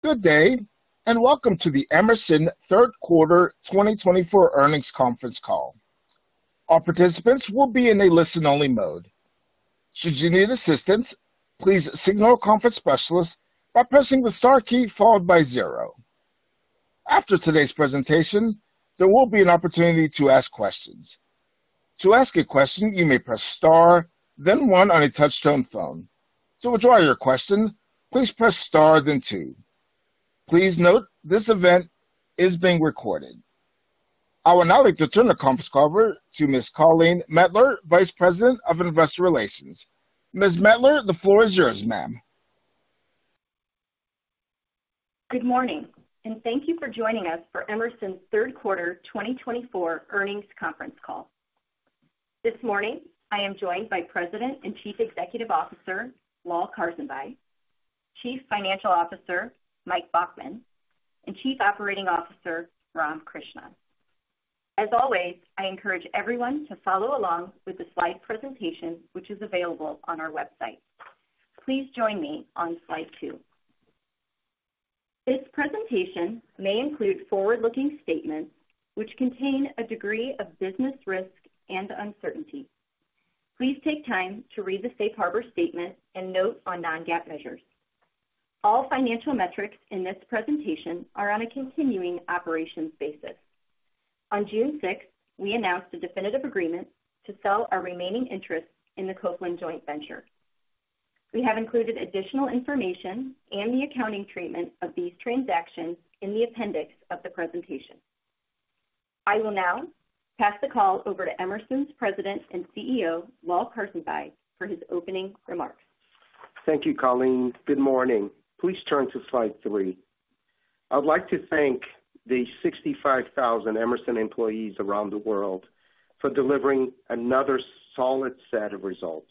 Good day, and welcome to the Emerson Third Quarter 2024 Earnings Conference Call. Our participants will be in a listen-only mode. Should you need assistance, please signal a conference specialist by pressing the star key followed by zero. After today's presentation, there will be an opportunity to ask questions. To ask a question, you may press star, then one on a touch-tone phone. To withdraw your question, please press star, then two. Please note this event is being recorded. I would now like to turn the conference call over to Ms. Colleen Mettler, Vice President of Investor Relations. Ms. Mettler, the floor is yours, ma'am. Good morning, and thank you for joining us for Emerson Third Quarter 2024 Earnings Conference Call. This morning, I am joined by President and Chief Executive Officer Lal Karsanbhai, Chief Financial Officer Mike Baughman, and Chief Operating Officer Ram Krishnan. As always, I encourage everyone to follow along with the slide presentation which is available on our website. Please join me on slide 2. This presentation may include forward-looking statements which contain a degree of business risk and uncertainty. Please take time to read the Safe Harbor Statement and note on non-GAAP measures. All financial metrics in this presentation are on a continuing operations basis. On June 6th, we announced a definitive agreement to sell our remaining interests in the Copeland Joint Venture. We have included additional information and the accounting treatment of these transactions in the appendix of the presentation. I will now pass the call over to Emerson's President and CEO, Lal Karsanbhai, for his opening remarks. Thank you, Colleen. Good morning. Please turn to slide three. I would like to thank the 65,000 Emerson employees around the world for delivering another solid set of results.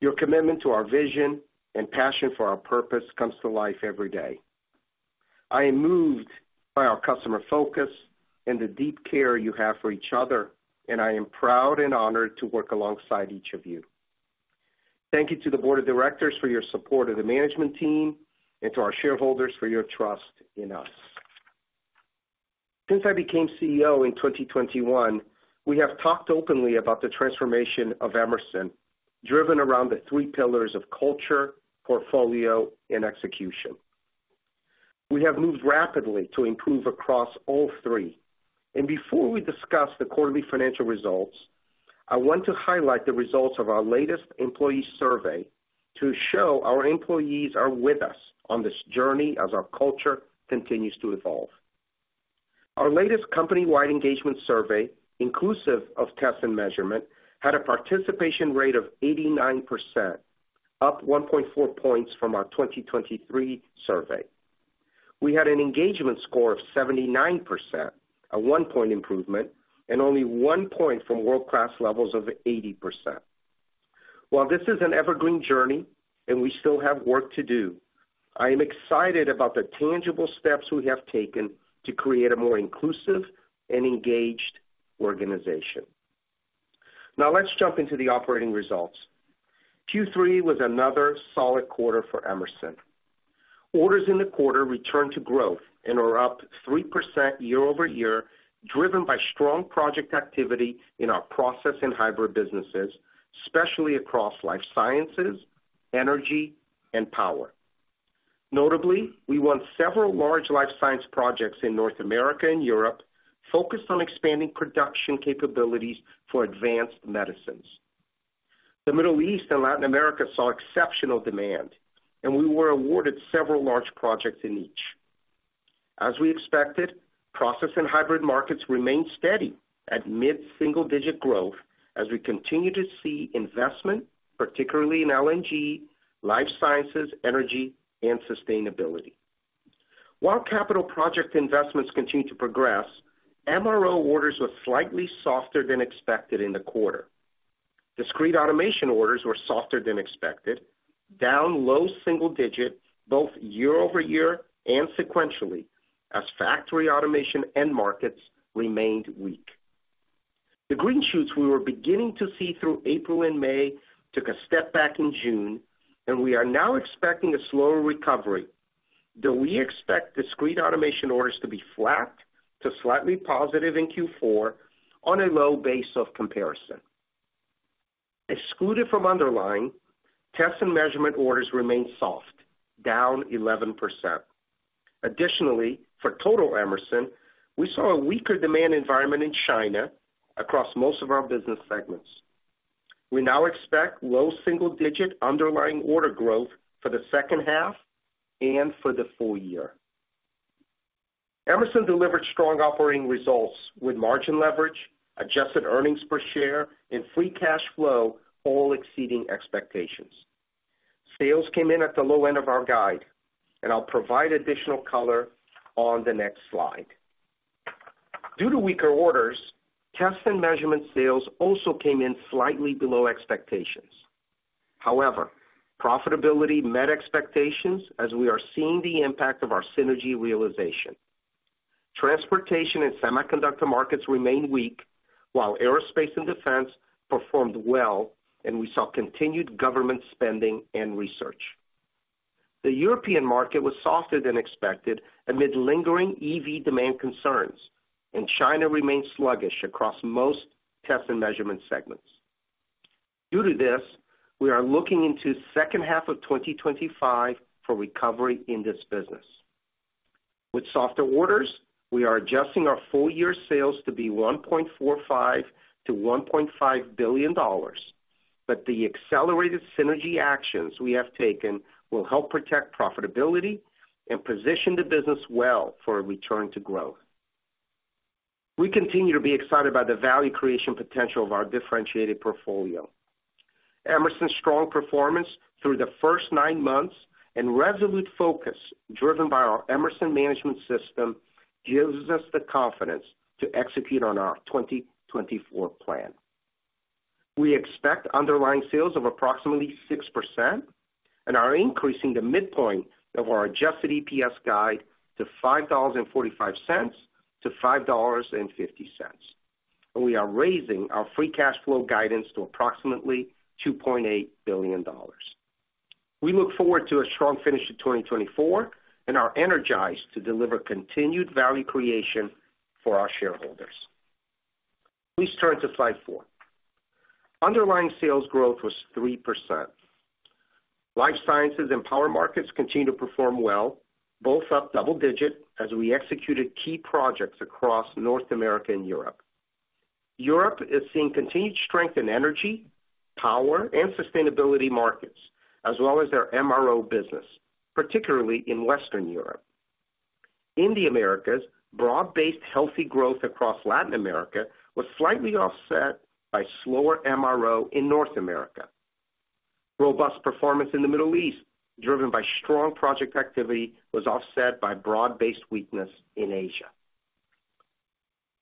Your commitment to our vision and passion for our purpose comes to life every day. I am moved by our customer focus and the deep care you have for each other, and I am proud and honored to work alongside each of you. Thank you to the Board of Directors for your support of the management team and to our shareholders for your trust in us. Since I became CEO in 2021, we have talked openly about the transformation of Emerson driven around the three pillars of culture, portfolio, and execution. We have moved rapidly to improve across all three. Before we discuss the quarterly financial results, I want to highlight the results of our latest employee survey to show our employees are with us on this journey as our culture continues to evolve. Our latest company-wide engagement survey, inclusive of Test & Measurement, had a participation rate of 89%, up 1.4 points from our 2023 survey. We had an engagement score of 79%, a 1-point improvement, and only 1 point from world-class levels of 80%. While this is an evergreen journey and we still have work to do, I am excited about the tangible steps we have taken to create a more inclusive and engaged organization. Now, let's jump into the operating results. Q3 was another solid quarter for Emerson. Orders in the quarter returned to growth and are up 3% year-over-year, driven by strong project activity in our Process and Hybrid businesses, especially across life sciences, energy, and power. Notably, we won several large life science projects in North America and Europe focused on expanding production capabilities for advanced medicines. The Middle East and Latin America saw exceptional demand, and we were awarded several large projects in each. As we expected, process and hybrid markets remained steady at mid-single-digit growth as we continue to see investment, particularly in LNG, life sciences, energy, and sustainability. While capital project investments continue to progress, MRO orders were slightly softer than expected in the quarter. Discrete Automation orders were softer than expected, down low single-digit both year-over-year and sequentially as factory automation and markets remained weak. The green shoots we were beginning to see through April and May took a step back in June, and we are now expecting a slower recovery. Though we expect Discrete Automation orders to be flat to slightly positive in Q4 on a low base of comparison. Excluded from underlying, Test & Measurement orders remained soft, down 11%. Additionally, for total Emerson, we saw a weaker demand environment in China across most of our business segments. We now expect low single-digit underlying order growth for the second half and for the full year. Emerson delivered strong operating results with margin leverage, adjusted earnings per share, and free cash flow all exceeding expectations. Sales came in at the low end of our guide, and I'll provide additional color on the next slide. Due to weaker orders, Test and Measurement sales also came in slightly below expectations. However, profitability met expectations as we are seeing the impact of our synergy realization. Transportation and semiconductor markets remained weak, while aerospace and defense performed well, and we saw continued government spending and research. The European market was softer than expected amid lingering EV demand concerns, and China remained sluggish across most Test and Measurement segments. Due to this, we are looking into the second half of 2025 for recovery in this business. With softer orders, we are adjusting our full-year sales to be $1.45-$1.5 billion, but the accelerated synergy actions we have taken will help protect profitability and position the business well for a return to growth. We continue to be excited by the value creation potential of our differentiated portfolio. Emerson's strong performance through the first nine months and resolute focus driven by our Emerson Management System gives us the confidence to execute on our 2024 plan. We expect underlying sales of approximately 6%, and are increasing the midpoint of our adjusted EPS guide to $5.45-$5.50. We are raising our free cash flow guidance to approximately $2.8 billion. We look forward to a strong finish to 2024 and are energized to deliver continued value creation for our shareholders. Please turn to slide 4. Underlying sales growth was 3%. Life sciences and power markets continue to perform well, both up double-digit as we executed key projects across North America and Europe. Europe is seeing continued strength in energy, power, and sustainability markets, as well as their MRO business, particularly in Western Europe. In the Americas, broad-based healthy growth across Latin America was slightly offset by slower MRO in North America. Robust performance in the Middle East, driven by strong project activity, was offset by broad-based weakness in Asia.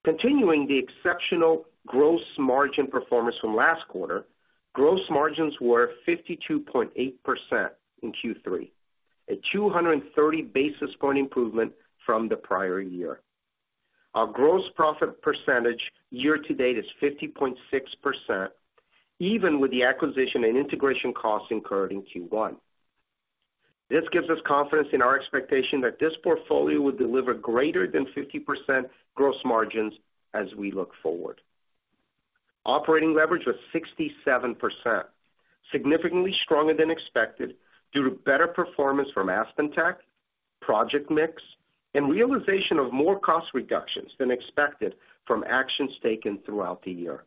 Continuing the exceptional gross margin performance from last quarter, gross margins were 52.8% in Q3, a 230 basis point improvement from the prior year. Our gross profit percentage year-to-date is 50.6%, even with the acquisition and integration costs incurred in Q1. This gives us confidence in our expectation that this portfolio would deliver greater than 50% gross margins as we look forward. Operating leverage was 67%, significantly stronger than expected due to better performance from AspenTech, project mix, and realization of more cost reductions than expected from actions taken throughout the year.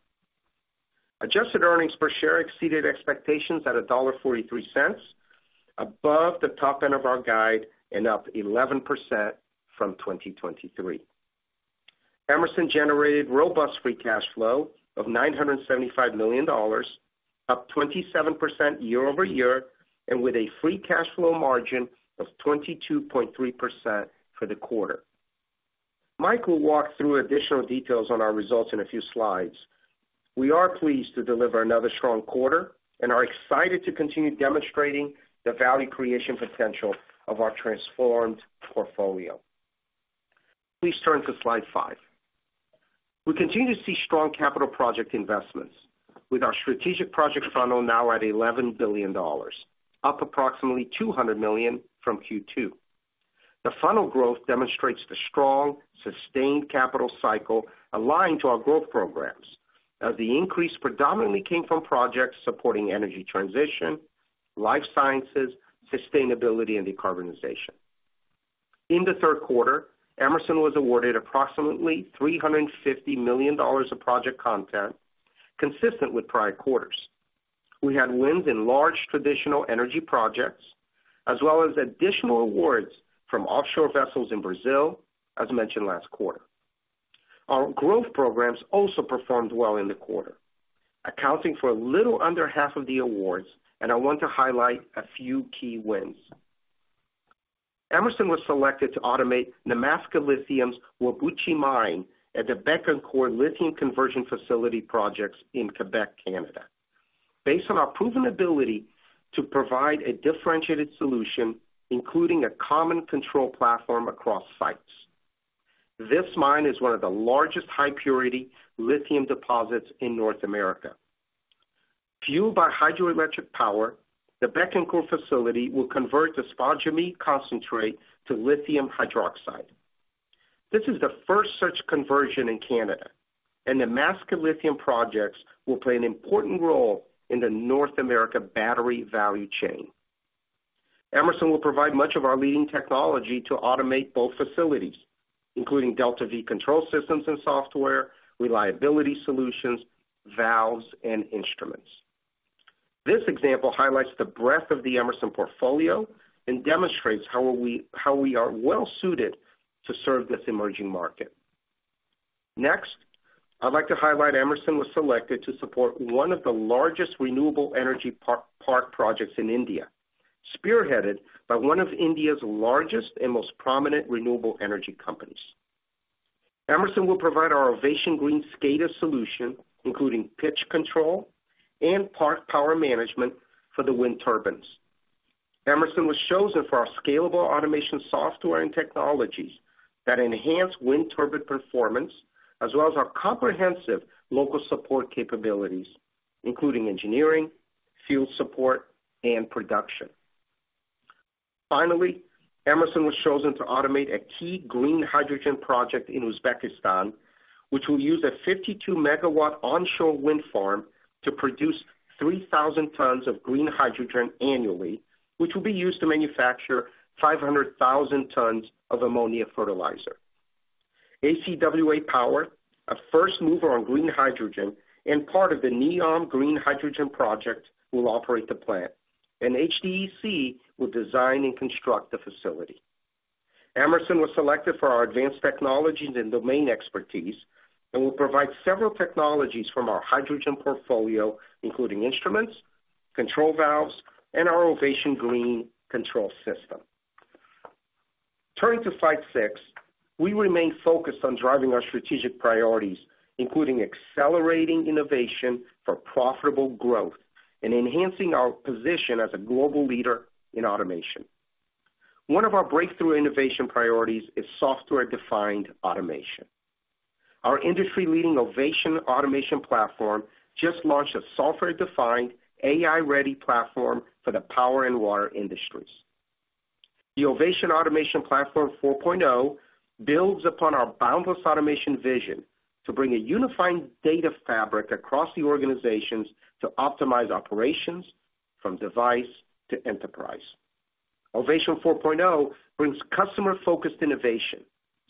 Adjusted earnings per share exceeded expectations at $1.43, above the top end of our guide and up 11% from 2023. Emerson generated robust free cash flow of $975 million, up 27% year over year, and with a free cash flow margin of 22.3% for the quarter. Michael walked through additional details on our results in a few slides. We are pleased to deliver another strong quarter and are excited to continue demonstrating the value creation potential of our transformed portfolio. Please turn to slide five. We continue to see strong capital project investments, with our strategic project funnel now at $11 billion, up approximately $200 million from Q2. The funnel growth demonstrates the strong, sustained capital cycle aligned to our growth programs, as the increase predominantly came from projects supporting energy transition, life sciences, sustainability, and decarbonization. In the third quarter, Emerson was awarded approximately $350 million of project content, consistent with prior quarters. We had wins in large traditional energy projects, as well as additional awards from offshore vessels in Brazil, as mentioned last quarter. Our growth programs also performed well in the quarter, accounting for a little under half of the awards, and I want to highlight a few key wins. Emerson was selected to automate Nemaska Lithium's Whabouchi mine and the Bécancour Lithium Conversion Facility projects in Quebec, Canada, based on our proven ability to provide a differentiated solution, including a common control platform across sites. This mine is one of the largest high-purity lithium deposits in North America. Fueled by hydroelectric power, the Bécancour facility will convert the spodumene concentrate to lithium hydroxide. This is the first such conversion in Canada, and Nemaska Lithium projects will play an important role in the North America battery value chain. Emerson will provide much of our leading technology to automate both facilities, including DeltaV control systems and software, reliability solutions, valves, and instruments. This example highlights the breadth of the Emerson portfolio and demonstrates how we are well-suited to serve this emerging market. Next, I'd like to highlight Emerson was selected to support one of the largest renewable energy park projects in India, spearheaded by one of India's largest and most prominent renewable energy companies. Emerson will provide our Ovation Green SCADA solution, including pitch control and park power management for the wind turbines. Emerson was chosen for our scalable automation software and technologies that enhance wind turbine performance, as well as our comprehensive local support capabilities, including engineering, field support, and production. Finally, Emerson was chosen to automate a key green hydrogen project in Uzbekistan, which will use a 52-MW onshore wind farm to produce 3,000 tons of green hydrogen annually, which will be used to manufacture 500,000 tons of ammonia fertilizer. ACWA Power, a first mover on green hydrogen and part of the NEOM Green Hydrogen project, will operate the plant, and HDEC will design and construct the facility. Emerson was selected for our advanced technologies and domain expertise and will provide several technologies from our hydrogen portfolio, including instruments, control valves, and our Ovation Green control system. Turning to slide 6, we remain focused on driving our strategic priorities, including accelerating innovation for profitable growth and enhancing our position as a global leader in automation. One of our breakthrough innovation priorities is software-defined automation. Our industry-leading Ovation Automation Platform just launched a software-defined, AI-ready platform for the power and water industries. The Ovation Automation Platform 4.0 builds upon our Boundless Automation vision to bring a unifying data fabric across the organizations to optimize operations from device to enterprise. Ovation 4.0 brings customer-focused innovation,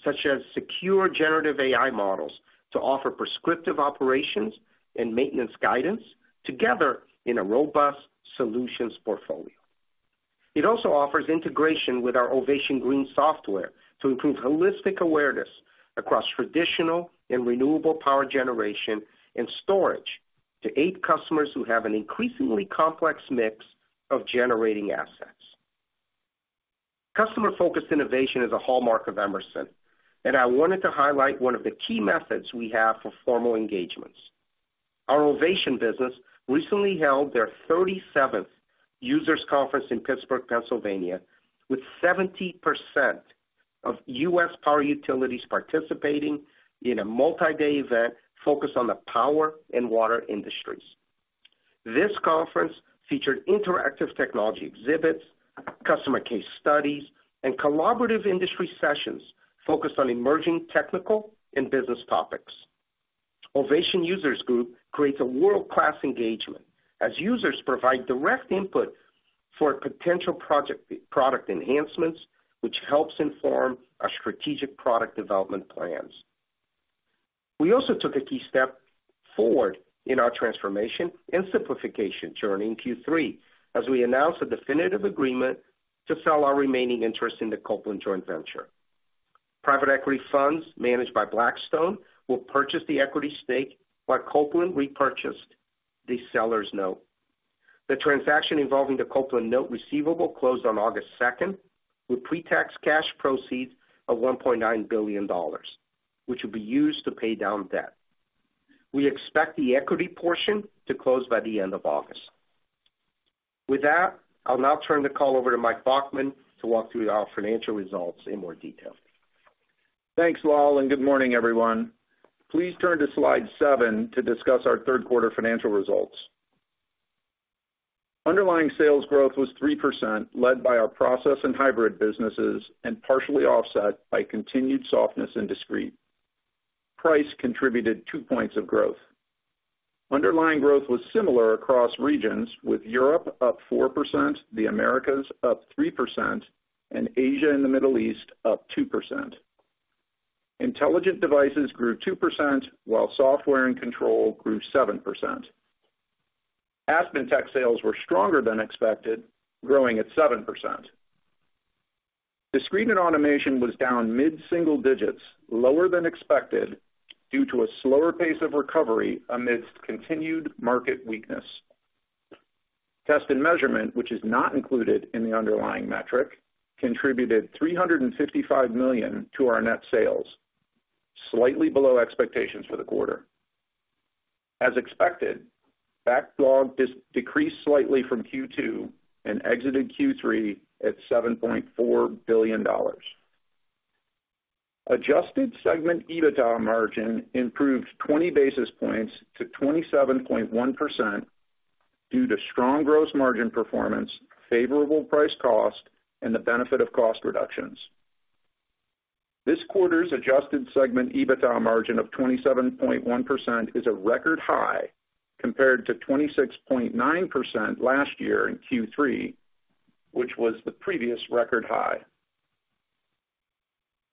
such as secure generative AI models to offer prescriptive operations and maintenance guidance, together in a robust solutions portfolio. It also offers integration with our Ovation Green software to improve holistic awareness across traditional and renewable power generation and storage to aid customers who have an increasingly complex mix of generating assets. Customer-focused innovation is a hallmark of Emerson, and I wanted to highlight one of the key methods we have for formal engagements. Our Ovation business recently held their 37th users' conference in Pittsburgh, Pennsylvania, with 70% of U.S. Power utilities participating in a multi-day event focused on the power and water industries. This conference featured interactive technology exhibits, customer case studies, and collaborative industry sessions focused on emerging technical and business topics. Ovation Users Group creates a world-class engagement as users provide direct input for potential project product enhancements, which helps inform our strategic product development plans. We also took a key step forward in our transformation and simplification journey in Q3 as we announced a definitive agreement to sell our remaining interest in the Copeland Joint Venture. Private equity funds managed by Blackstone will purchase the equity stake, while Copeland repurchased the seller's note. The transaction involving the Copeland note receivable closed on August 2nd with pre-tax cash proceeds of $1.9 billion, which will be used to pay down debt. We expect the equity portion to close by the end of August. With that, I'll now turn the call over to Mike Baughman to walk through our financial results in more detail. Thanks, Lal, and good morning, everyone. Please turn to Slide 7 to discuss our third quarter financial results. Underlying sales growth was 3%, led by our Process and Hybrid businesses and partially offset by continued softness and Discrete. Price contributed 2 points of growth. Underlying growth was similar across regions, with Europe up 4%, the Americas up 3%, and Asia and the Middle East up 2%. Intelligent Devices grew 2%, while Software and Control grew 7%. AspenTech sales were stronger than expected, growing at 7%. Discrete Automation was down mid-single digits, lower than expected due to a slower pace of recovery amidst continued market weakness. Test and Measurement, which is not included in the underlying metric, contributed $355 million to our net sales, slightly below expectations for the quarter. As expected, backlog decreased slightly from Q2 and exited Q3 at $7.4 billion. Adjusted segment EBITDA margin improved 20 basis points to 27.1% due to strong gross margin performance, favorable price cost, and the benefit of cost reductions. This quarter's adjusted segment EBITDA margin of 27.1% is a record high compared to 26.9% last year in Q3, which was the previous record high.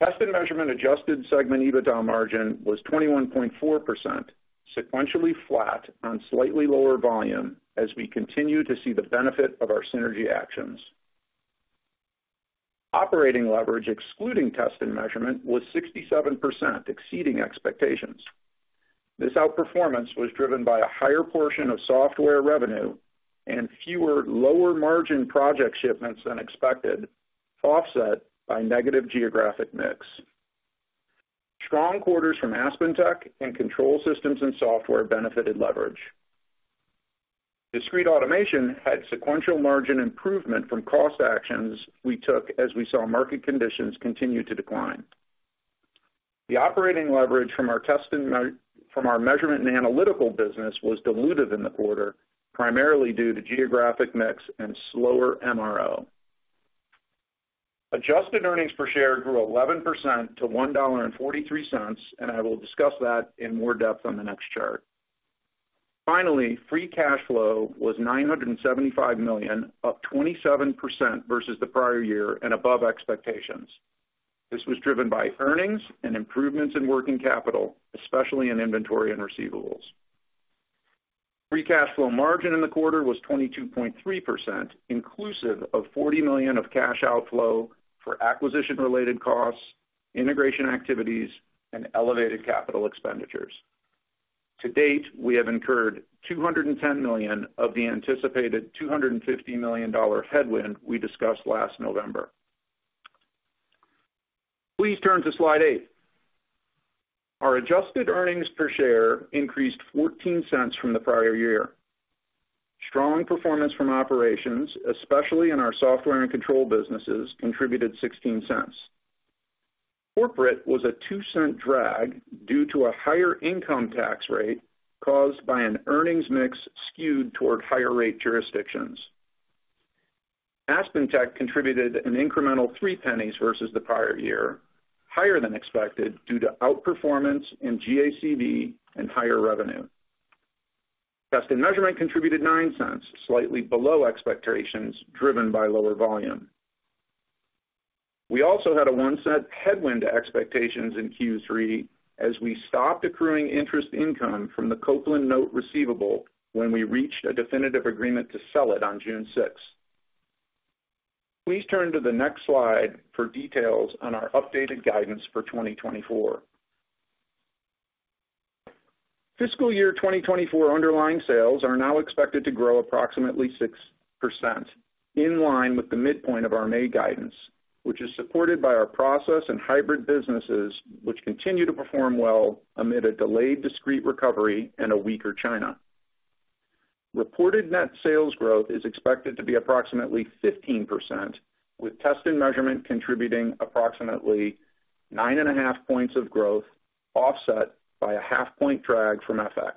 Test and Measurement adjusted segment EBITDA margin was 21.4%, sequentially flat on slightly lower volume as we continue to see the benefit of our synergy actions. Operating leverage, excluding Test and Measurement, was 67%, exceeding expectations. This outperformance was driven by a higher portion of software revenue and fewer lower-margin project shipments than expected, offset by negative geographic mix. Strong quarters from AspenTech and control systems and software benefited leverage. Discrete Automation had sequential margin improvement from cost actions we took as we saw market conditions continue to decline. The operating leverage from our Test and Measurement and analytical business was diluted in the quarter, primarily due to geographic mix and slower MRO. Adjusted earnings per share grew 11% to $1.43, and I will discuss that in more depth on the next chart. Finally, free cash flow was $975 million, up 27% versus the prior year and above expectations. This was driven by earnings and improvements in working capital, especially in inventory and receivables. Free cash flow margin in the quarter was 22.3%, inclusive of $40 million of cash outflow for acquisition-related costs, integration activities, and elevated capital expenditures. To date, we have incurred $210 million of the anticipated $250 million headwind we discussed last November. Please turn to slide 8. Our adjusted earnings per share increased $0.14 from the prior year. Strong performance from operations, especially in our software and control businesses, contributed $0.16. Corporate was a $0.02 drag due to a higher income tax rate caused by an earnings mix skewed toward higher-rate jurisdictions. AspenTech contributed an incremental $0.03 versus the prior year, higher than expected due to outperformance in ACV and higher revenue. Test and measurement contributed $0.09, slightly below expectations, driven by lower volume. We also had a $0.01 headwind to expectations in Q3 as we stopped accruing interest income from the Copeland note receivable when we reached a definitive agreement to sell it on June 6th. Please turn to the next slide for details on our updated guidance for 2024. Fiscal year 2024 underlying sales are now expected to grow approximately 6%, in line with the midpoint of our May guidance, which is supported by our Process and Hybrid businesses, which continue to perform well amid a delayed discrete recovery and a weaker China. Reported net sales growth is expected to be approximately 15%, with Test and Measurement contributing approximately 9.5 points of growth, offset by a half-point drag from FX.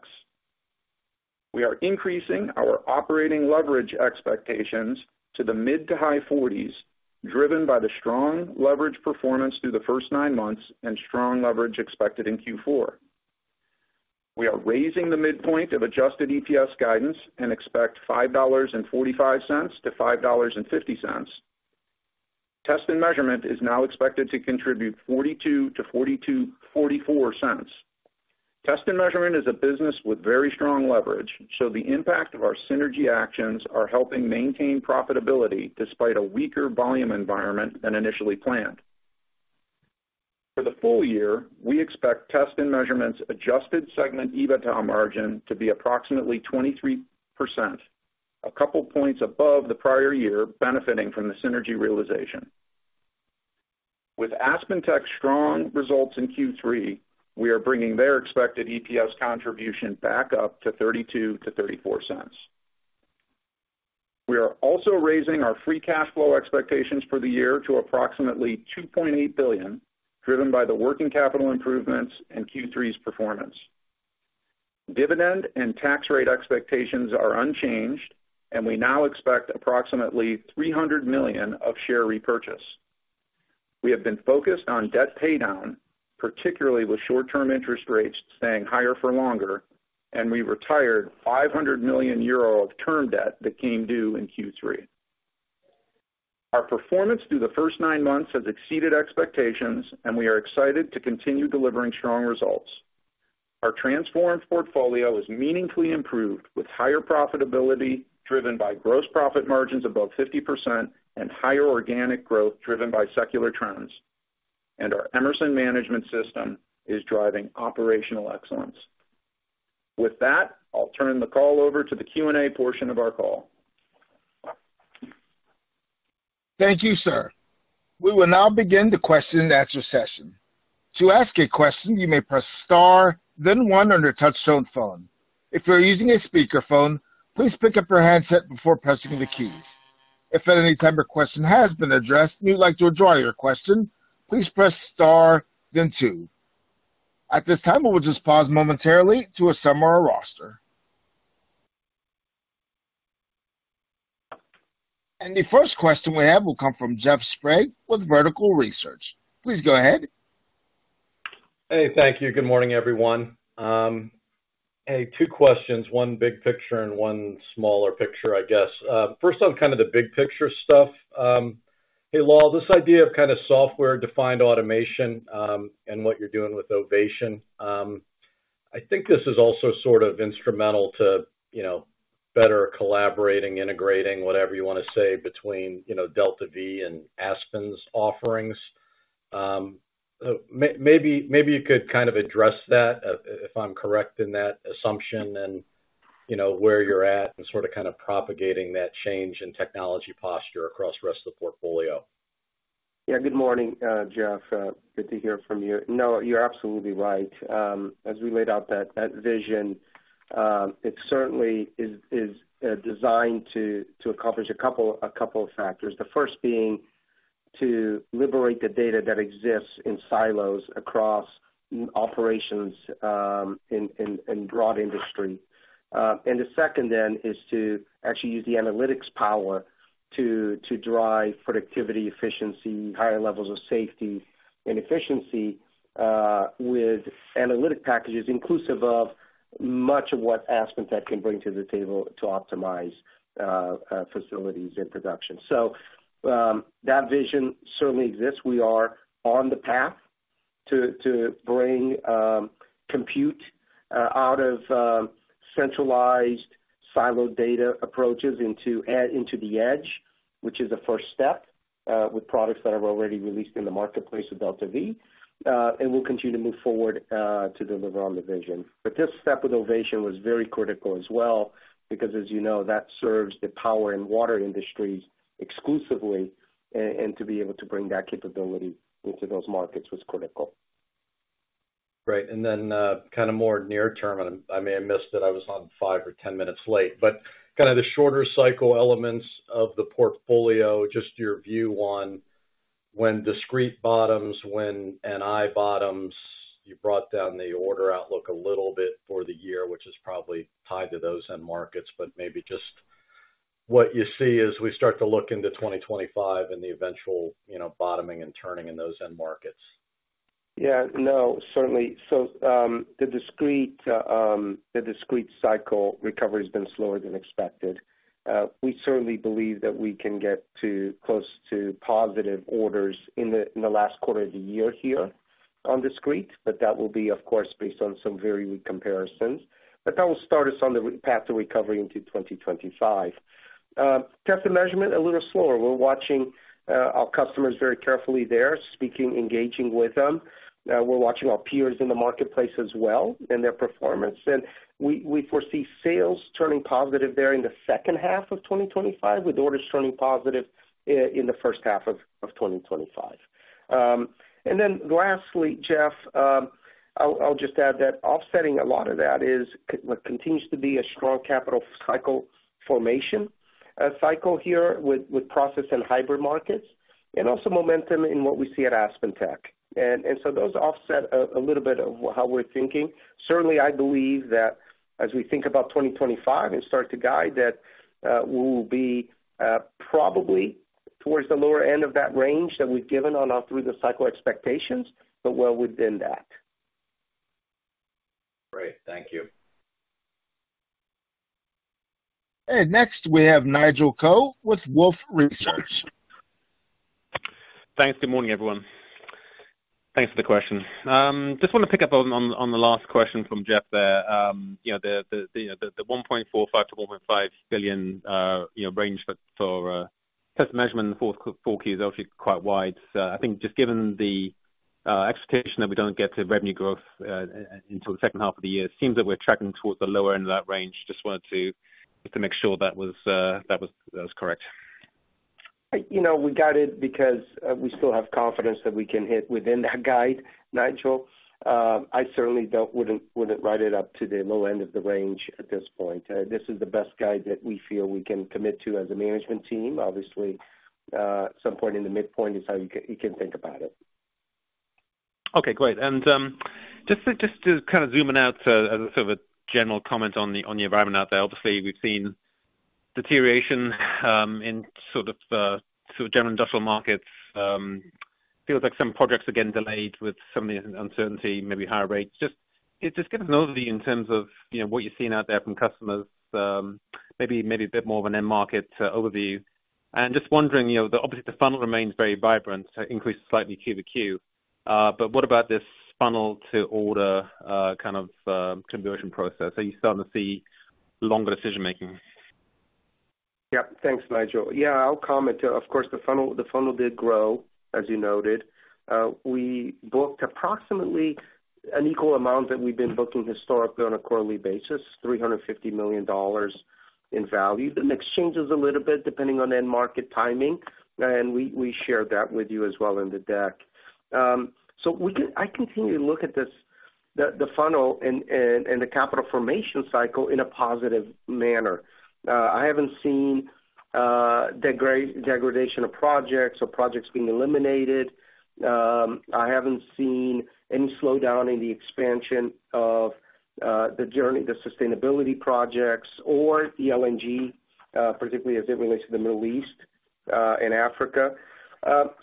We are increasing our operating leverage expectations to the mid to high 40s, driven by the strong leverage performance through the first nine months and strong leverage expected in Q4. We are raising the midpoint of adjusted EPS guidance and expect $5.45-$5.50. Test and Measurement is now expected to contribute $0.42-$0.44. Test and Measurement is a business with very strong leverage, so the impact of our synergy actions is helping maintain profitability despite a weaker volume environment than initially planned. For the full year, we expect Test and Measurement's adjusted segment EBITDA margin to be approximately 23%, a couple of points above the prior year, benefiting from the synergy realization. With AspenTech's strong results in Q3, we are bringing their expected EPS contribution back up to $0.32-$0.34. We are also raising our free cash flow expectations for the year to approximately $2.8 billion, driven by the working capital improvements and Q3's performance. Dividend and tax rate expectations are unchanged, and we now expect approximately $300 million of share repurchase. We have been focused on debt paydown, particularly with short-term interest rates staying higher for longer, and we retired €500 million of term debt that came due in Q3. Our performance through the first nine months has exceeded expectations, and we are excited to continue delivering strong results. Our transformed portfolio is meaningfully improved, with higher profitability driven by gross profit margins above 50% and higher organic growth driven by secular trends, and our Emerson Management System is driving operational excellence. With that, I'll turn the call over to the Q&A portion of our call. Thank you, sir. We will now begin the question-and-answer session. To ask a question, you may press star, then one on your touch-tone phone. If you're using a speakerphone, please pick up your handset before pressing the keys. If at any time your question has been addressed and you'd like to withdraw your question, please press star, then two. At this time, we will just pause momentarily to assemble our roster. The first question we have will come from Jeff Sprague with Vertical Research. Please go ahead. Hey, thank you. Good morning, everyone. Hey, two questions, one big picture and one smaller picture, I guess. First off, kind of the big picture stuff. Hey, Lal, this idea of kind of software-defined automation and what you're doing with Ovation, I think this is also sort of instrumental to better collaborating, integrating, whatever you want to say, between DeltaV and Aspen's offerings. Maybe you could kind of address that, if I'm correct in that assumption, and where you're at and sort of kind of propagating that change in technology posture across the rest of the portfolio. Yeah, good morning, Jeff. Good to hear from you. No, you're absolutely right. As we laid out that vision, it certainly is designed to accomplish a couple of factors. The first being to liberate the data that exists in silos across operations and broad industry. And the second then is to actually use the analytics power to drive productivity, efficiency, higher levels of safety and efficiency with analytic packages, inclusive of much of what AspenTech can bring to the table to optimize facilities and production. So that vision certainly exists. We are on the path to bring compute out of centralized siloed data approaches into the edge, which is a first step with products that are already released in the marketplace with DeltaV. And we'll continue to move forward to deliver on the vision. But this step with Ovation was very critical as well because, as you know, that serves the power and water industries exclusively, and to be able to bring that capability into those markets was critical. Right. And then kind of more near term, and I may have missed it. I was on 5 or 10 minutes late. But kind of the shorter cycle elements of the portfolio, just your view on when Discrete bottoms, when NI bottoms, you brought down the order outlook a little bit for the year, which is probably tied to those end markets. But maybe just what you see as we start to look into 2025 and the eventual bottoming and turning in those end markets. Yeah, no, certainly. So the Discrete cycle recovery has been slower than expected. We certainly believe that we can get close to positive orders in the last quarter of the year here on Discrete, but that will be, of course, based on some very weak comparisons. That will start us on the path to recovery into 2025. Test and Measurement a little slower. We're watching our customers very carefully there, speaking, engaging with them. We're watching our peers in the marketplace as well and their performance. We foresee sales turning positive there in the second half of 2025, with orders turning positive in the first half of 2025. Then lastly, Jeff, I'll just add that offsetting a lot of that is what continues to be a strong capital cycle formation cycle here with Process and Hybrid markets, and also momentum in what we see at AspenTech. So those offset a little bit of how we're thinking. Certainly, I believe that as we think about 2025 and start to guide that, we will be probably towards the lower end of that range that we've given on our through-the-cycle expectations, but well within that. Great. Thank you. And next, we have Nigel Coe with Wolfe Research. Thanks. Good morning, everyone. Thanks for the question. Just want to pick up on the last question from Jeff there. The $1.45 billion-$1.5 billion range for Test and Measurement in the four Qs is actually quite wide. I think just given the expectation that we don't get to revenue growth until the second half of the year, it seems that we're tracking towards the lower end of that range. Just wanted to make sure that was correct. We got it because we still have confidence that we can hit within that guide, Nigel. I certainly wouldn't write it up to the low end of the range at this point. This is the best guide that we feel we can commit to as a management team. Obviously, some point in the midpoint is how you can think about it. Okay, great. And just to kind of zoom in out as a sort of a general comment on the environment out there, obviously, we've seen deterioration in sort of general industrial markets. Feels like some projects again delayed with some uncertainty, maybe higher rates. Just give us an overview in terms of what you've seen out there from customers, maybe a bit more of an end market overview. And just wondering, obviously, the funnel remains very vibrant, increased slightly Q to Q. But what about this funnel-to-order kind of conversion process? Are you starting to see longer decision-making? Yep. Thanks, Nigel. Yeah, I'll comment. Of course, the funnel did grow, as you noted. We booked approximately an equal amount that we've been booking historically on a quarterly basis, $350 million in value. The mix changes a little bit depending on end market timing, and we shared that with you as well in the deck. So I continue to look at the funnel and the capital formation cycle in a positive manner. I haven't seen degradation of projects or projects being eliminated. I haven't seen any slowdown in the expansion of the sustainability projects or the LNG, particularly as it relates to the Middle East and Africa.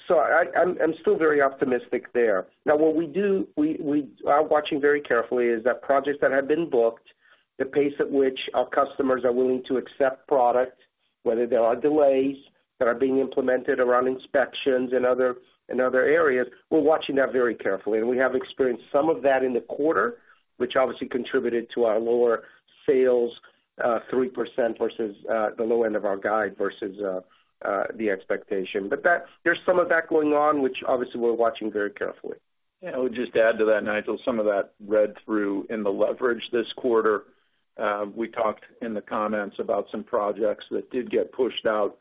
So I'm still very optimistic there.` Now, what we do, we are watching very carefully, is that projects that have been booked, the pace at which our customers are willing to accept product, whether there are delays that are being implemented around inspections and other areas, we're watching that very carefully. And we have experienced some of that in the quarter, which obviously contributed to our lower sales, 3% versus the low end of our guide versus the expectation. But there's some of that going on, which obviously we're watching very carefully. Yeah, I would just add to that, Nigel, some of that read through in the leverage this quarter. We talked in the comments about some projects that did get pushed out,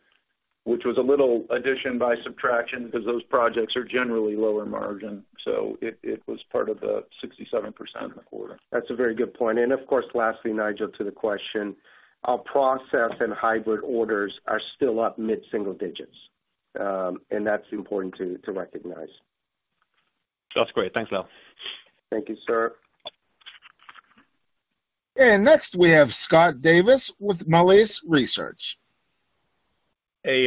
which was a little addition by subtraction because those projects are generally lower margin. So it was part of the 67% in the quarter. That's a very good point. And of course, lastly, Nigel, to the question, our process and hybrid orders are still up mid-single digits. And that's important to recognize. Sounds great. Thanks, Lal. Thank you, sir. And next, we have Scott Davis with Melius Research. Hey,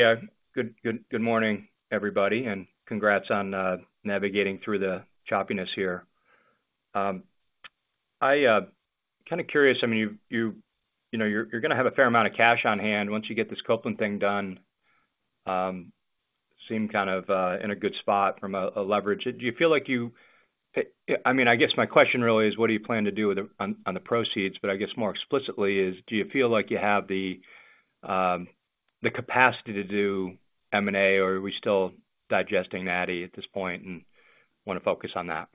good morning, everybody, and congrats on navigating through the choppiness here. I'm kind of curious. I mean, you're going to have a fair amount of cash on hand once you get this Copeland thing done. Seem kind of in a good spot from a leverage. Do you feel like you—I mean, I guess my question really is, what do you plan to do on the proceeds? But I guess more explicitly, do you feel like you have the capacity to do M&A, or are we still digesting NI at this point and want to focus on that?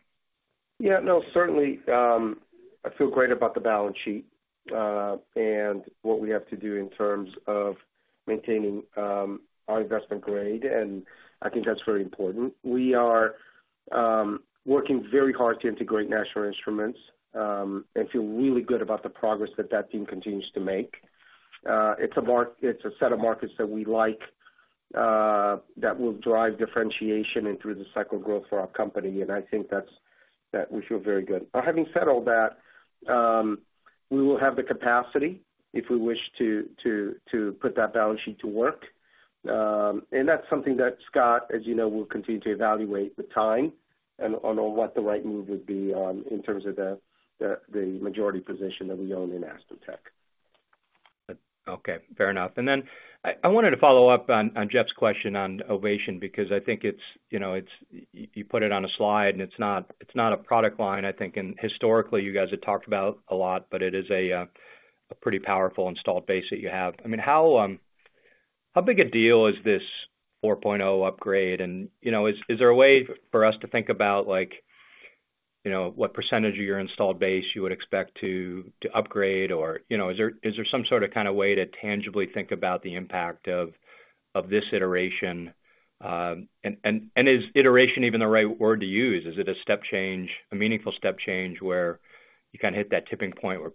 Yeah, no, certainly. I feel great about the balance sheet and what we have to do in terms of maintaining our investment grade. I think that's very important. We are working very hard to integrate National Instruments and feel really good about the progress that that team continues to make. It's a set of markets that we like that will drive differentiation and through the cycle growth for our company. I think that we feel very good. Having said all that, we will have the capacity if we wish to put that balance sheet to work. That's something that Scott, as you know, will continue to evaluate the time and on what the right move would be on in terms of the majority position that we own in AspenTech. Okay. Fair enough. And then I wanted to follow up on Jeff's question on Ovation because I think you put it on a slide, and it's not a product line. I think historically, you guys had talked about a lot, but it is a pretty powerful installed base that you have. I mean, how big a deal is this 4.0 upgrade? And is there a way for us to think about what percentage of your installed base you would expect to upgrade? Or is there some sort of kind of way to tangibly think about the impact of this iteration? And is iteration even the right word to use? Is it a step change, a meaningful step change where you kind of hit that tipping point where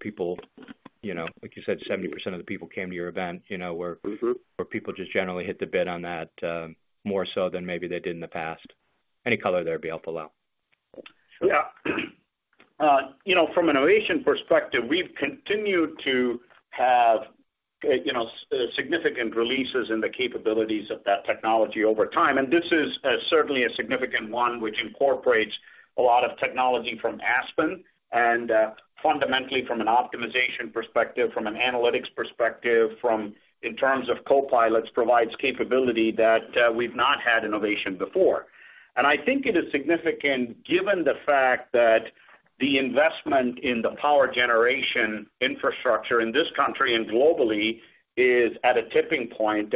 people, like you said, 70% of the people came to your event, where people just generally hit the bid on that more so than maybe they did in the past? Any color there, Lal, if allowed. Yeah. From an Ovation perspective, we've continued to have significant releases in the capabilities of that technology over time. And this is certainly a significant one, which incorporates a lot of technology from Aspen and fundamentally from an optimization perspective, from an analytics perspective, from in terms of copilots, provides capability that we've not had in Ovation before. And I think it is significant given the fact that the investment in the power generation infrastructure in this country and globally is at a tipping point.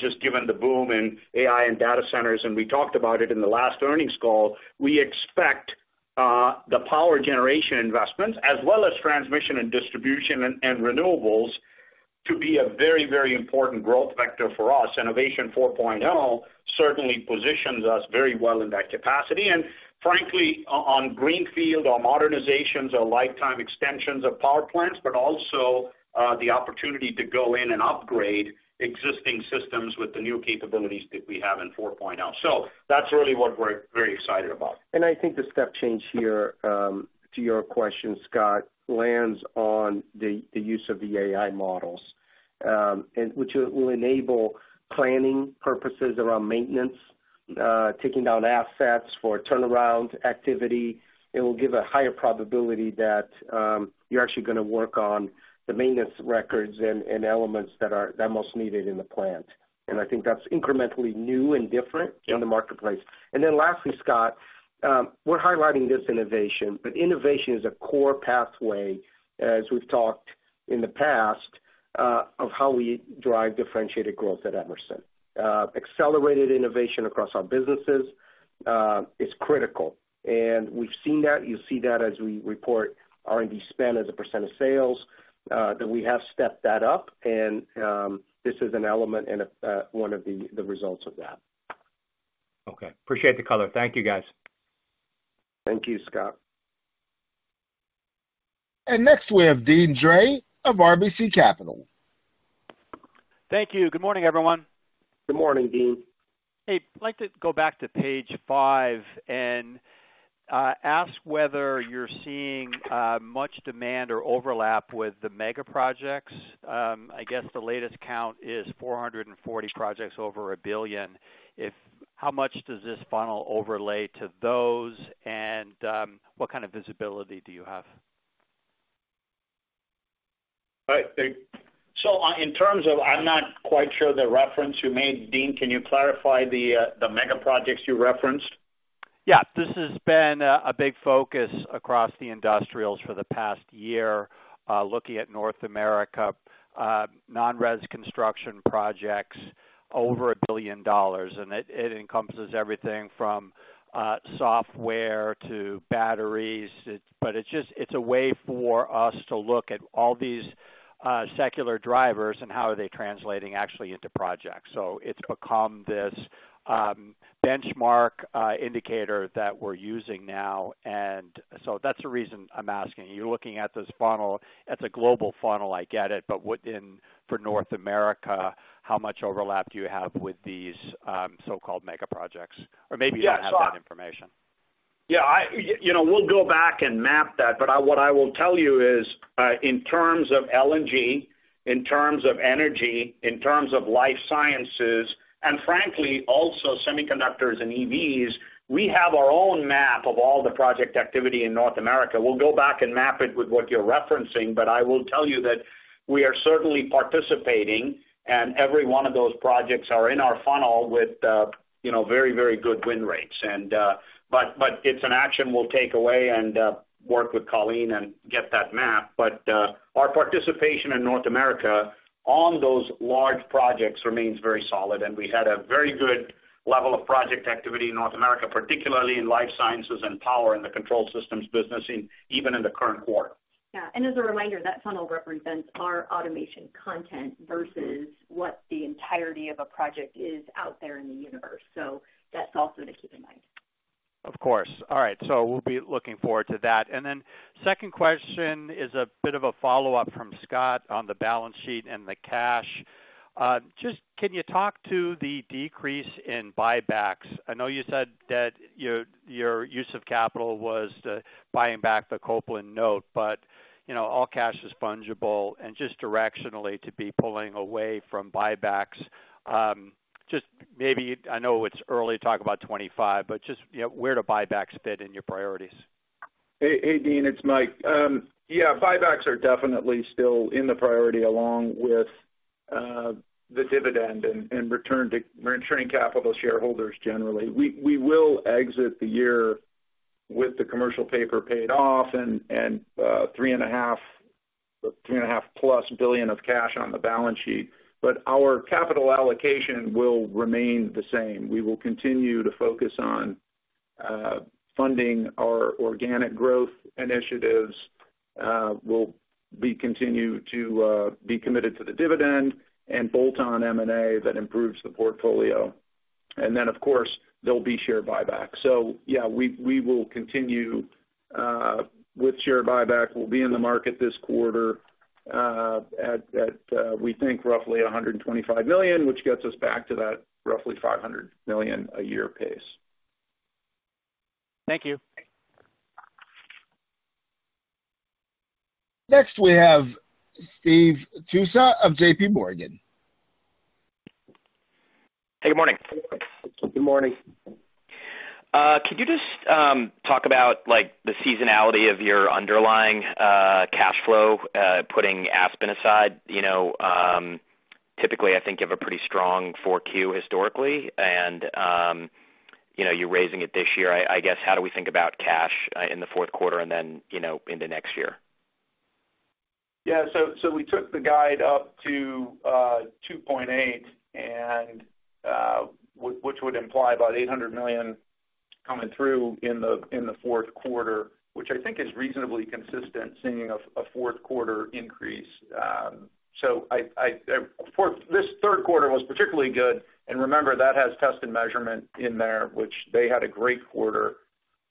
Just given the boom in AI and data centers, and we talked about it in the last earnings call, we expect the power generation investments, as well as transmission and distribution and renewables, to be a very, very important growth vector for us. Innovation 4.0 certainly positions us very well in that capacity. And frankly, on greenfield or modernizations or lifetime extensions of power plants, but also the opportunity to go in and upgrade existing systems with the new capabilities that we have in 4.0. So that's really what we're very excited about. And I think the step change here, to your question, Scott, lands on the use of the AI models, which will enable planning purposes around maintenance, taking down assets for turnaround activity. It will give a higher probability that you're actually going to work on the maintenance records and elements that are most needed in the plant. And I think that's incrementally new and different in the marketplace. And then lastly, Scott, we're highlighting this innovation, but innovation is a core pathway, as we've talked in the past, of how we drive differentiated growth at Emerson. Accelerated innovation across our businesses is critical. And we've seen that. You'll see that as we report R&D spend as a percent of sales, that we have stepped that up. And this is an element and one of the results of that. Okay. Appreciate the color. Thank you, guys. Thank you, Scott. And next, we have Deane Dray of RBC Capital Markets. Thank you. Good morning, everyone. Good morning, Deane. Hey, I'd like to go back to page five and ask whether you're seeing much demand or overlap with the mega projects. I guess the latest count is 440 projects over $1 billion. How much does this funnel overlay to those, and what kind of visibility do you have? All right. So in terms of, I'm not quite sure the reference you made, Deane. Can you clarify the mega projects you referenced? Yeah. This has been a big focus across the industrials for the past year, looking at North America, non-res construction projects over $1 billion. It encompasses everything from software to batteries. But it's a way for us to look at all these secular drivers and how are they translating actually into projects. It's become this benchmark indicator that we're using now. That's the reason I'm asking. You're looking at this funnel. It's a global funnel, I get it. But for North America, how much overlap do you have with these so-called mega projects? Or maybe you don't have that information. Yeah. We'll go back and map that. But what I will tell you is, in terms of LNG, in terms of energy, in terms of life sciences, and frankly, also semiconductors and EVs, we have our own map of all the project activity in North America. We'll go back and map it with what you're referencing. But I will tell you that we are certainly participating, and every one of those projects are in our funnel with very, very good win rates. But it's an action we'll take away and work with Colleen and get that map. But our participation in North America on those large projects remains very solid. We had a very good level of project activity in North America, particularly in life sciences and power and the control systems business, even in the current quarter. Yeah. And as a reminder, that funnel represents our automation content versus what the entirety of a project is out there in the universe. So that's also to keep in mind. Of course. All right. So we'll be looking forward to that. And then second question is a bit of a follow-up from Scott on the balance sheet and the cash. Just can you talk to the decrease in buybacks? I know you said that your use of capital was to buying back the Copeland note, but all cash is fungible. And just directionally, to be pulling away from buybacks, just maybe I know it's early to talk about 25, but just where do buybacks fit in your priorities? Hey, Deane, it's Mike. Yeah, buybacks are definitely still in the priority along with the dividend and return to shareholders generally. We will exit the year with the commercial paper paid off and $3.5+ billion of cash on the balance sheet. But our capital allocation will remain the same. We will continue to focus on funding our organic growth initiatives. We'll continue to be committed to the dividend and bolt-on M&A that improves the portfolio. And then, of course, there'll be share buybacks. So yeah, we will continue with share buybacks. We'll be in the market this quarter at, we think, roughly $125 million, which gets us back to that roughly $500 million a year pace. Thank you. Next, we have Steve Tusa of J.P. Morgan. Hey, good morning. Good morning. Could you just talk about the seasonality of your underlying cash flow, putting Aspen aside? Typically, I think you have a pretty strong 4Q historically, and you're raising it this year. I guess, how do we think about cash in the fourth quarter and then into next year? Yeah. So we took the guide up to $2.8 billion, which would imply about $800 million coming through in the fourth quarter, which I think is reasonably consistent, seeing a fourth quarter increase. So this third quarter was particularly good. And remember, that has Test and Measurement in there, which they had a great quarter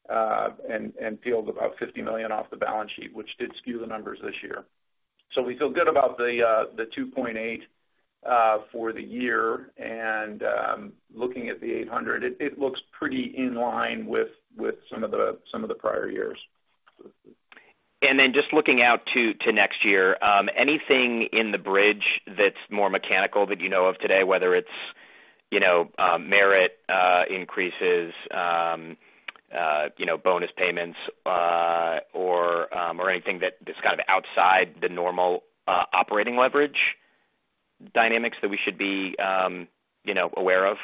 and peeled about $50 million off the balance sheet, which did skew the numbers this year. So we feel good about the $2.8 billion for the year. And looking at the $800 million, it looks pretty in line with some of the prior years. And then just looking out to next year, anything in the bridge that's more mechanical that you know of today, whether it's merit increases, bonus payments, or anything that's kind of outside the normal operating leverage dynamics that we should be aware of?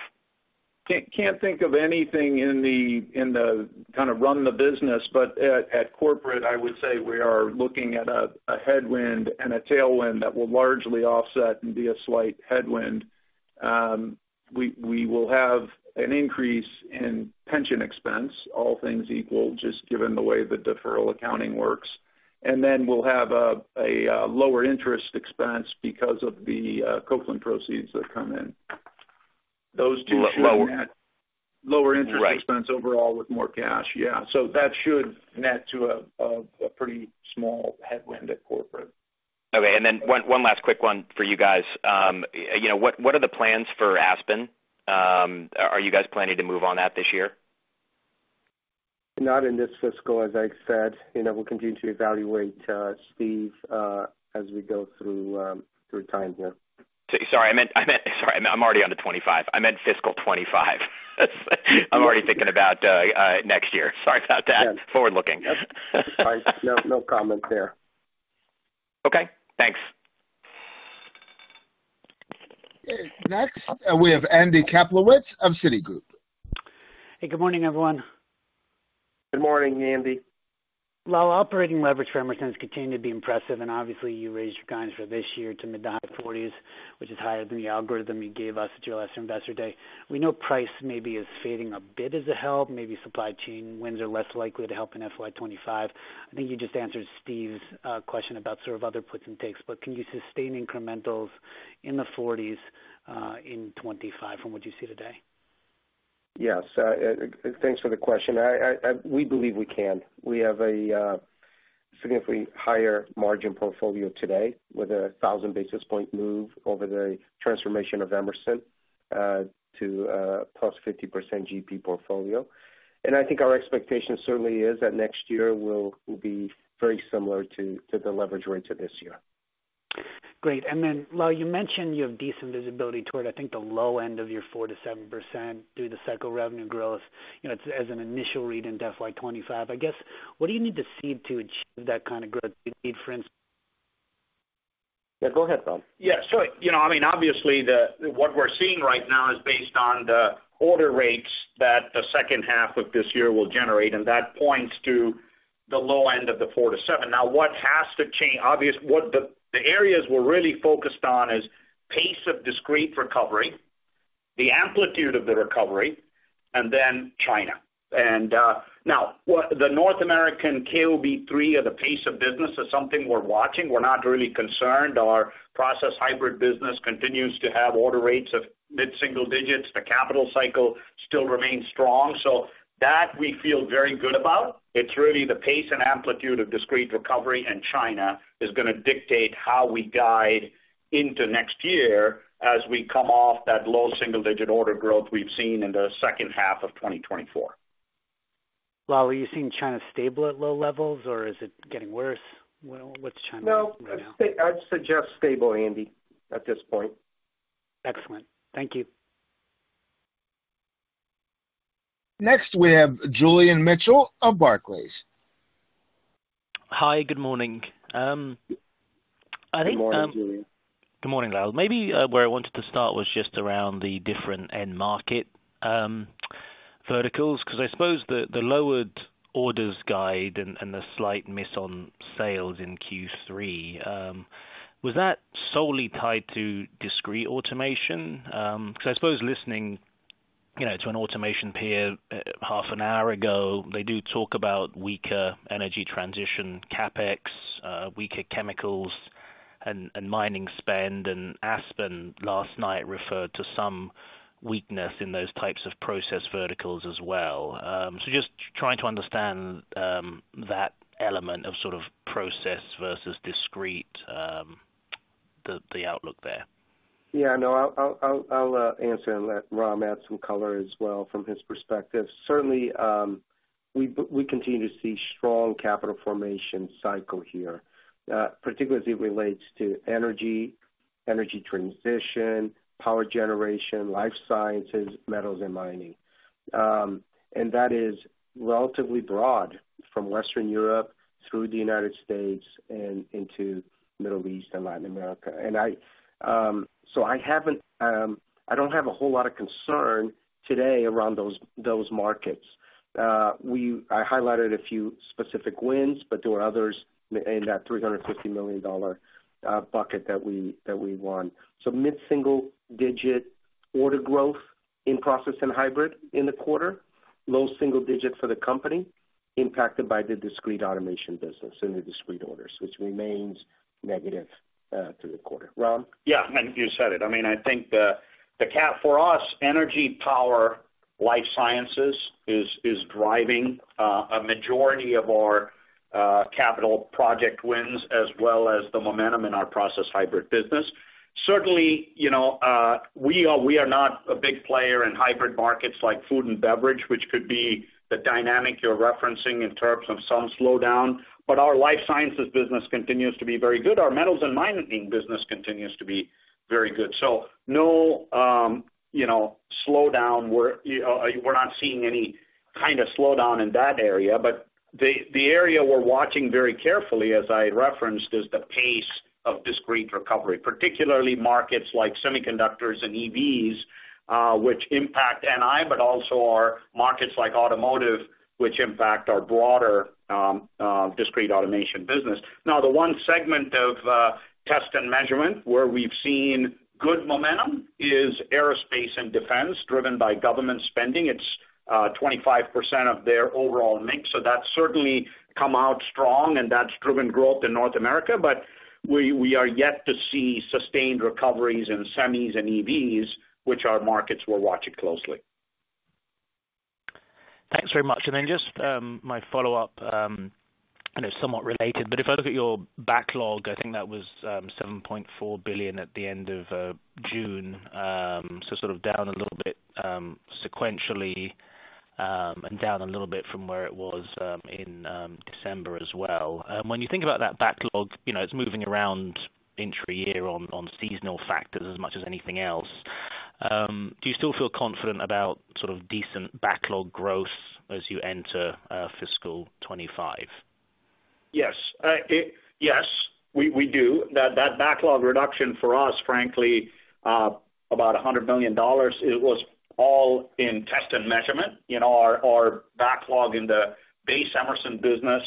Can't think of anything in the kind of run the business. But at corporate, I would say we are looking at a headwind and a tailwind that will largely offset and be a slight headwind. We will have an increase in pension expense, all things equal, just given the way the deferral accounting works. And then we'll have a lower interest expense because of the Copeland proceeds that come in. Those two should net. Lower interest expense overall with more cash. Yeah. So that should net to a pretty small headwind at corporate. Okay. And then one last quick one for you guys. What are the plans for Aspen? Are you guys planning to move on that this year? Not in this fiscal, as I said. We'll continue to evaluate Steve as we go through time here. Sorry, I meant. Sorry, I'm already on to 25. I meant fiscal 25. I'm already thinking about next year. Sorry about that. Forward-looking. No comment there. Okay. Thanks. Next, we have Andy Kaplowitz of Citigroup. Hey, good morning, everyone. Good morning, Andy. Well, operating leverage for Emerson has continued to be impressive. And obviously, you raised your guidance for this year to mid- to high-40s, which is higher than the algorithm you gave us at your last investor day. We know price maybe is fading a bit as a help. Maybe supply chain winds are less likely to help in FY 25. I think you just answered Steve's question about sort of other puts and takes. But can you sustain incrementals in the 40s in 2025 from what you see today? Yes. Thanks for the question. We believe we can. We have a significantly higher margin portfolio today with a 1,000 basis point move over the transformation of Emerson to plus 50% GP portfolio. And I think our expectation certainly is that next year will be very similar to the leverage rates of this year. Great. And then, Lal, you mentioned you have decent visibility toward, I think, the low end of your 4%-7% underlying cycle revenue growth as an initial read into FY 2025. I guess, what do you need to see to achieve that kind of growth? Do you need, for instance? Yeah, go ahead, Ram. So I mean, obviously, what we're seeing right now is based on the order rates that the second half of this year will generate. And that points to the low end of the 4%-7%. Now, what has to change? The areas we're really focused on is pace of discrete recovery, the amplitude of the recovery, and then China. And now, the North American KOB3 or the pace of business is something we're watching. We're not really concerned. Our Process Hybrid business continues to have order rates of mid-single digits. The capital cycle still remains strong. So that we feel very good about. It's really the pace and amplitude of discrete recovery and China is going to dictate how we guide into next year as we come off that low single-digit order growth we've seen in the second half of 2024. Lal, are you seeing China stable at low levels, or is it getting worse? What's China right now? I'd suggest stable, Andy, at this point. Excellent. Thank you. Next, we have Julian Mitchell of Barclays. Hi, good morning. Good morning, Julian. Good morning, Lal. Maybe where I wanted to start was just around the different end market verticals because I suppose the lowered orders guide and the slight miss on sales in Q3, was that solely tied to Discrete Automation? Because I suppose listening to an automation peer half an hour ago, they do talk about weaker energy transition, CapEx, weaker chemicals, and mining spend. And Aspen last night referred to some weakness in those types of process verticals as well. So just trying to understand that element of sort of process versus discrete, the outlook there. No, I'll answer and let Ram add some color as well from his perspective. Certainly, we continue to see strong capital formation cycle here, particularly as it relates to energy, energy transition, power generation, life sciences, metals, and mining. That is relatively broad from Western Europe through the United States and into the Middle East and Latin America. So I don't have a whole lot of concern today around those markets. I highlighted a few specific wins, but there were others in that $350 million bucket that we won. So mid-single-digit order growth in Process and Hybrid in the quarter, low single digit for the company impacted by the Discrete Automation business and the discrete orders, which remains negative through the quarter. Ram? You said it. I mean, I think the CapEx for us, energy, power, life sciences is driving a majority of our capital project wins as well as the momentum in our process hybrid business. Certainly, we are not a big player in hybrid markets like food and beverage, which could be the dynamic you're referencing in terms of some slowdown. But our life sciences business continues to be very good. Our metals and mining business continues to be very good. So no slowdown. We're not seeing any kind of slowdown in that area. But the area we're watching very carefully, as I referenced, is the pace of discrete recovery, particularly markets like semiconductors and EVs, which impact NI, but also our markets like automotive, which impact our broader Discrete Automation business. Now, the one segment of test and measurement where we've seen good momentum is aerospace and defense driven by government spending. It's 25% of their overall mix. So that's certainly come out strong, and that's driven growth in North America. But we are yet to see sustained recoveries in semis and EVs, which are markets we're watching closely. Thanks very much. And then just my follow-up, and it's somewhat related, but if I look at your backlog, I think that was $7.4 billion at the end of June. So sort of down a little bit sequentially and down a little bit from where it was in December as well. When you think about that backlog, it's moving around into a year on seasonal factors as much as anything else. Do you still feel confident about sort of decent backlog growth as you enter fiscal 2025? Yes. Yes, we do. That backlog reduction for us, frankly, about $100 million, it was all in test and measurement. Our backlog in the base Emerson business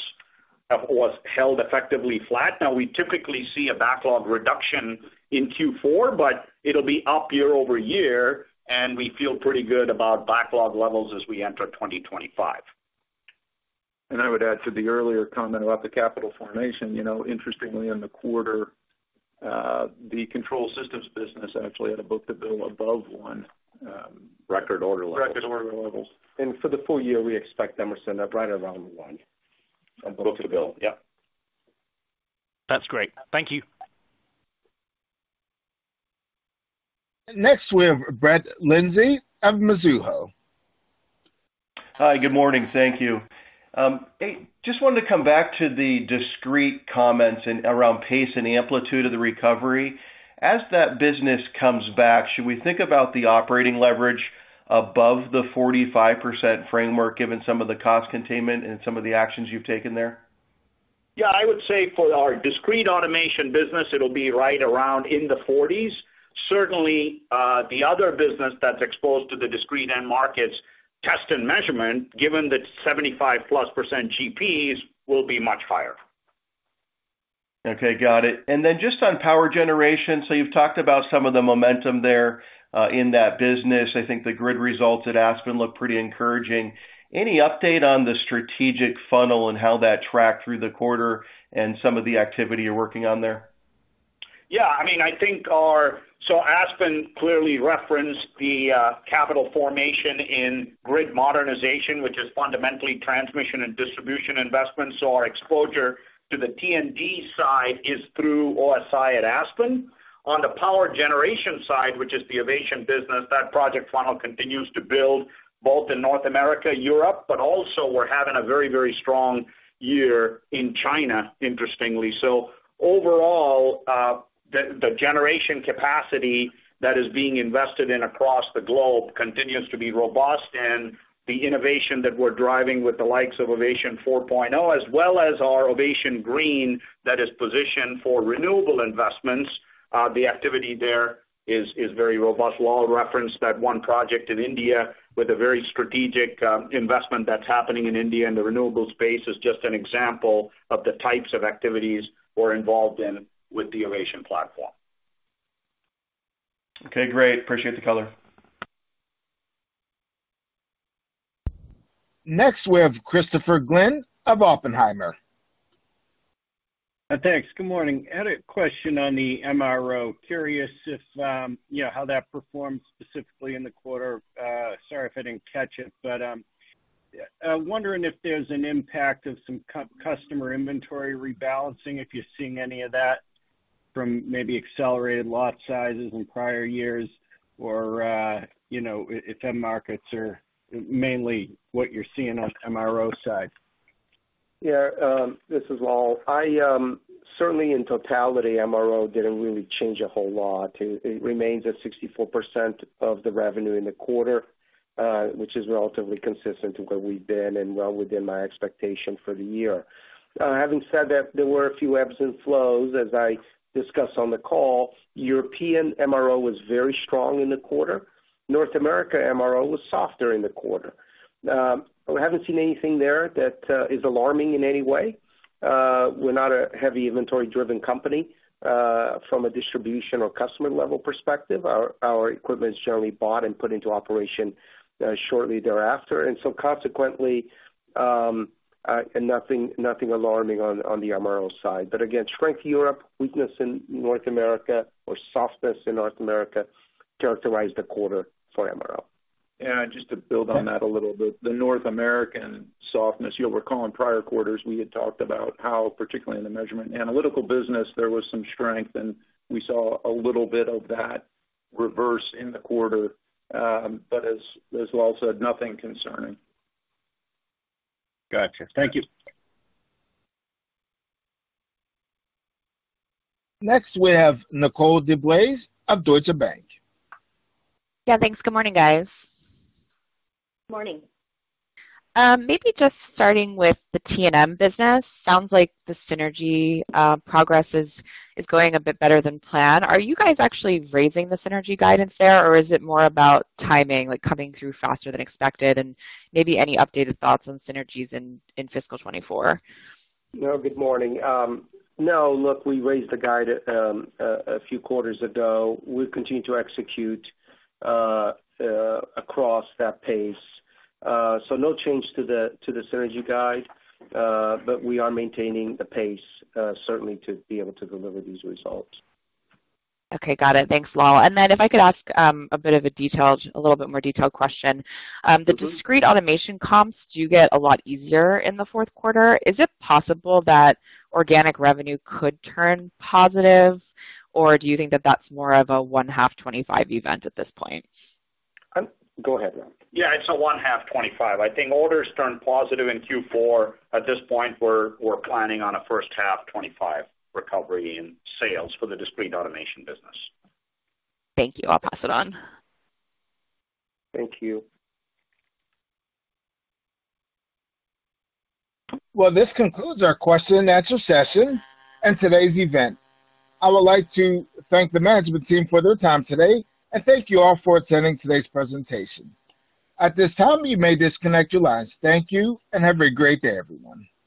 was held effectively flat. Now, we typically see a backlog reduction in Q4, but it'll be up year-over-year. And we feel pretty good about backlog levels as we enter 2025. And I would add to the earlier comment about the capital formation. Interestingly, in the quarter, the control systems business actually had a book-to-bill above one record order levels. Record order levels. And for the full year, we expect Emerson at right around one. Book-to-bill. Yep. That's great. Thank you. Next, we have Brett Linzey of Mizuho. Hi, good morning. Thank you. Just wanted to come back to the discrete comments around pace and amplitude of the recovery. As that business comes back, should we think about the operating leverage above the 45% framework given some of the cost containment and some of the actions you've taken there? I would say for our discrete automation business, it'll be right around in the 40s. Certainly, the other business that's exposed to the discrete end markets, test and measurement, given the 75+% GPs, will be much higher. Okay. Got it. And then just on power generation, so you've talked about some of the momentum there in that business. I think the grid results at Aspen look pretty encouraging. Any update on the strategic funnel and how that tracked through the quarter and some of the activity you're working on there? Yeah. I mean, I think our so Aspen clearly referenced the capital formation in grid modernization, which is fundamentally transmission and distribution investments. So our exposure to the T&D side is through OSI at Aspen. On the power generation side, which is the Ovation business, that project funnel continues to build both in North America, Europe, but also we're having a very, very strong year in China, interestingly. So overall, the generation capacity that is being invested in across the globe continues to be robust. And the innovation that we're driving with the likes of Ovation 4.0, as well as our Ovation Green that is positioned for renewable investments, the activity there is very robust. Lal referenced that one project in India with a very strategic investment that's happening in India in the renewable space is just an example of the types of activities we're involved in with the Ovation platform. Okay. Great. Appreciate the color. Next, we have Christopher Glynn of Oppenheimer. Thanks. Good morning. And question on the MRO. Curious how that performed specifically in the quarter. Sorry if I didn't catch it, but wondering if there's an impact of some customer inventory rebalancing, if you're seeing any of that from maybe accelerated lot sizes in prior years, or if end markets are mainly what you're seeing on MRO side. Yeah. This is Lal. Certainly, in totality, MRO didn't really change a whole lot. It remains at 64% of the revenue in the quarter, which is relatively consistent to where we've been and well within my expectation for the year. Having said that, there were a few ebbs and flows, as I discussed on the call. European MRO was very strong in the quarter. North America MRO was softer in the quarter. We haven't seen anything there that is alarming in any way. We're not a heavy inventory-driven company from a distribution or customer-level perspective. Our equipment's generally bought and put into operation shortly thereafter. So consequently, nothing alarming on the MRO side. But again, strength in Europe, weakness in North America, or softness in North America characterized the quarter for MRO. Yeah. Just to build on that a little, the North American softness, you'll recall in prior quarters, we had talked about how, particularly in the Measurement & Analytical business, there was some strength, and we saw a little bit of that reverse in the quarter. But as Lal said, nothing concerning. Gotcha. Thank you. Next, we have Nicole DeBlase of Deutsche Bank. Yeah. Thanks. Good morning, guys. Good morning. Maybe just starting with the T&M business. Sounds like the synergy progress is going a bit better than planned. Are you guys actually raising the synergy guidance there, or is it more about timing, coming through faster than expected, and maybe any updated thoughts on synergies in fiscal 2024? No. Good morning. No. Look, we raised the guide a few quarters ago. We've continued to execute across that pace. So no change to the synergy guide, but we are maintaining the pace, certainly, to be able to deliver these results. Okay. Got it. Thanks, Lal.And then if I could ask a bit of a detailed, a little bit more detailed question, the Discrete Automation comps do get a lot easier in the fourth quarter. Is it possible that organic revenue could turn positive, or do you think that that's more of a 1H 25 event at this point? Go ahead, Lal. Yeah. It's a 1H 25. I think orders turned positive in Q4. At this point, we're planning on a first-half 2025 recovery in sales for the Discrete Automation business. Thank you. I'll pass it on. Thank you. Well, this concludes our question-and-answer session and today's event. I would like to thank the management team for their time today and thank you all for attending today's presentation. At this time, you may disconnect your lines. Thank you and have a great day, everyone.